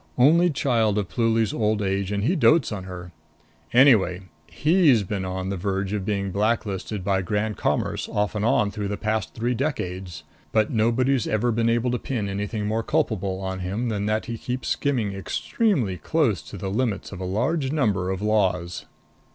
Only child of Pluly's old age, and he dotes on her. Anyway, he's been on the verge of being black listed by Grand Commerce off and on through the past three decades. But nobody's ever been able to pin anything more culpable on him than that he keeps skimming extremely close to the limits of a large number of laws."